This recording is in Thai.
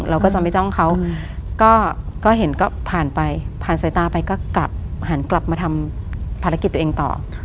เราก็จะไม่จ้องเขาก็เห็นก็ผ่านไปผ่านสายตาไปก็กลับหันกลับมาทำภารกิจตัวเองต่อ